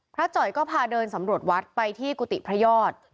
จ่อยก็พาเดินสำรวจวัดไปที่กุฏิพระยอด